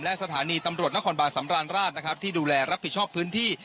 และสถานีตำรวจนครบาลสำราญราชนะครับที่ดูแลรับผิดชอบพื้นที่